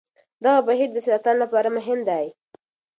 دغه بهیر د سرطان لپاره مهم دی.